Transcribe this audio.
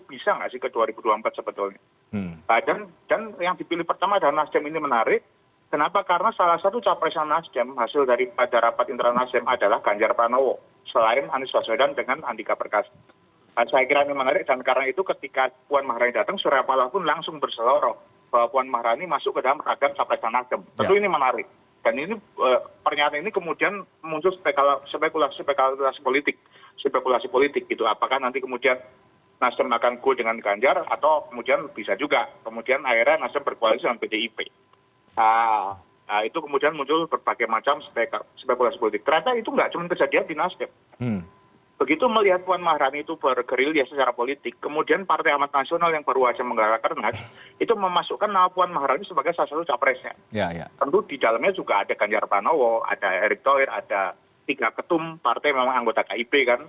bagaimana perjuangan pdi perjuangan ini